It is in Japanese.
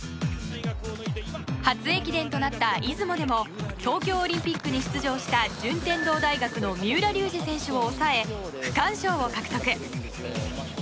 初駅伝となった出雲でも東京オリンピックに出場した順天堂大学の三浦龍司選手を抑え区間賞を獲得。